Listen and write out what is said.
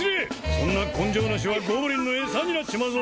そんな根性なしはゴブリンのエサになっちまうぞ！